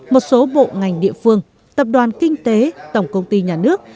một số bộ ngành địa phương tập đoàn kinh tế tổng công ty nhà nước